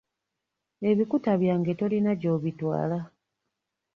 Ebikuta byange tolina gy'obitwala.